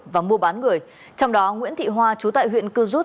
và mua bán người trong đó nguyễn thị hoa chú tại huyện cư rút